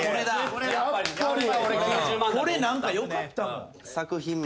これ何かよかったもん。